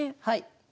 はい。